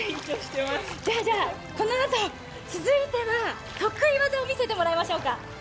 じゃあ、このあと続いては得意技を見せてもらいましょうか。